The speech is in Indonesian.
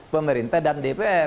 pemerintah dan dpr